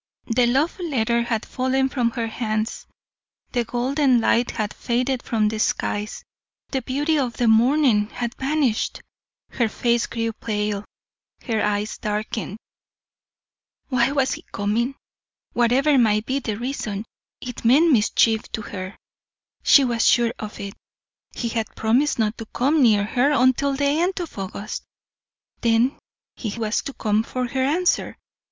The love letter had fallen from her hands, the golden light had faded from the skies, the beauty of the morning had vanished; her face grew pale, her eyes darkened. Why was he coming? Whatever might be the reason, it meant mischief to her, she was sure of it. He had promised not to come near her until the end of August, then he was to come for her answer.